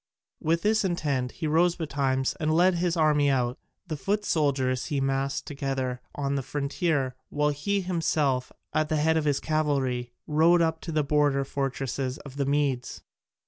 With this intent he rose betimes and led his army out: the foot soldiers he massed together on the frontier, while he himself, at the head of his cavalry, rode up to the border fortresses of the Medes.